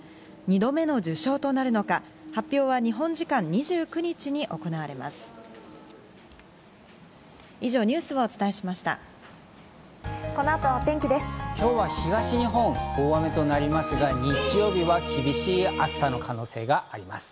２度目の受賞となるのか、発表は日本時間２９日に行われます。